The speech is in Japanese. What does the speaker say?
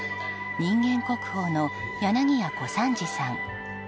人間国宝の柳家小三治さん。